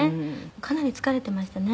「かなり疲れていましたね」